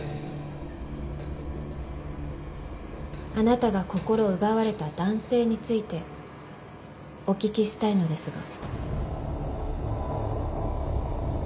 あなたが心奪われた男性についてお聞きしたいのですが。